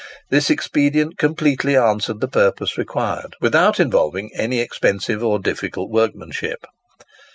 This expedient completely answered the purpose required, without involving any expensive or difficult workmanship.